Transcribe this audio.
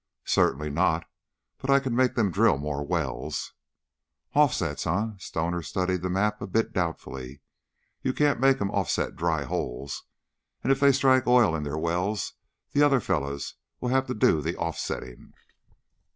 "Certainly not, but I can make them drill more wells." "Offsets, eh?" Stoner studied the map a bit doubtfully. "You can't make 'em offset dry holes, and if they strike oil in their wells the other fellers will have to do the offsetting."